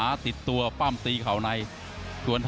โหโหโหโหโหโหโหโหโห